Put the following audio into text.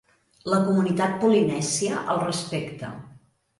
La comunitat polinèsia el respecta.